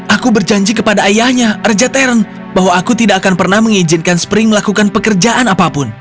aku berjanji kepada ayahnya raja terren bahwa aku tidak akan pernah mengizinkan spring melakukan pekerjaan apapun